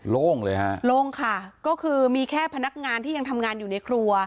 โล่งเลยฮะโล่งค่ะก็คือมีแค่พนักงานที่ยังทำงานอยู่ในครัว